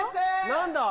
何だ？